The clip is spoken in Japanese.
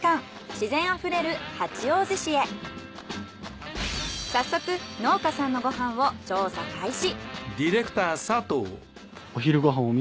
自然あふれる早速農家さんのご飯を調査開始。